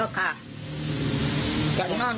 เอ้อไป๒คน